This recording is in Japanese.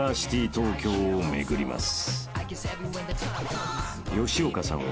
東京を巡ります］